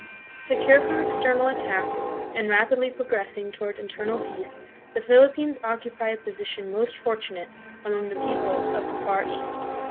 Secure.from external attack and rapidly progressing toward internal peace, the Philippines occupy a position most for tunate among the peoples of the Far East.